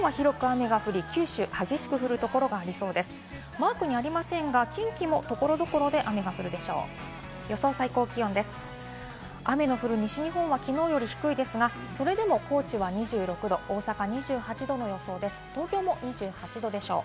マークにありませんが、近畿も所々で雨が降るでしょう。